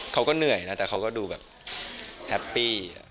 เขาก็เหนื่อยนะแต่เขาก็ดูแบบแฮปปี้